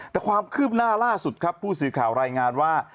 แต่ความคืบหน้าล่าสุดครับผู้สื่อข่าวรายงานว่า